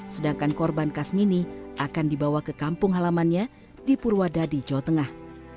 sedangkan korban kasmini akan dibawa ke kampung halamannya di purwadadi jawa tengah